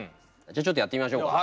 じゃあちょっとやってみましょうか。